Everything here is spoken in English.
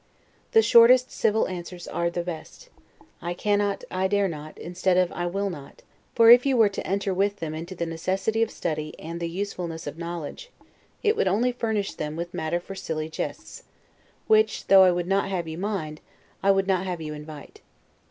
The shortest civil answers are the best; I CANNOT, I DARE NOT, instead of I WILL NOT; for if you were to enter with them into the necessity of study end the usefulness of knowledge, it would only furnish them with matter for silly jests; which, though I would not have you mind, I would not have you invite.